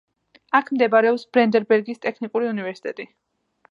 აქ მდებარეობს ბრანდენბურგის ტექნიკური უნივერსიტეტი.